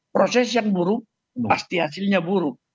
proses yang buruk pasti hasilnya buruk